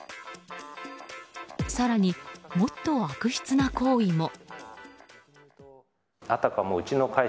更に、もっと悪質な行為も。